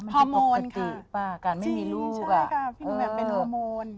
ฮอร์โมนค่ะใช่ค่ะคือแบบเป็นฮอร์โมน